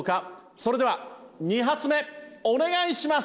それでは２発目お願いします！